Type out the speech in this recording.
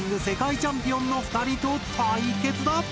世界チャンピオンの２人と対決だ！